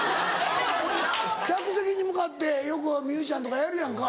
客席に向かってよくミュージシャンとかやるやんか。